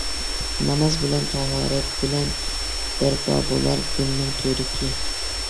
ناماز بىلەن، تاھارەت بىلەن، بەرپا بولار دىننىڭ تۈۋرۈكى.